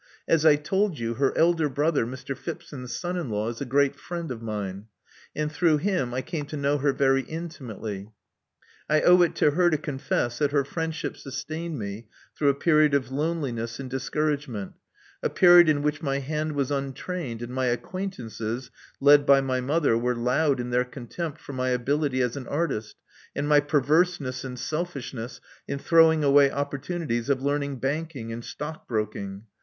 As I told you, her elder brother, Mr. Phipson's son in law, is a great friend of mine; and through him I came to know her very intimately. I owe it to her to confess that her friendship sustained me through a period of loneliness and discouragement, a period in which my hand was untrained, and my acquaintances, led by my mother, were loud in their contempt for my ability as an artist and my per verseness and selfishness in throwing away oppor tunities of learning banking and stockbroking.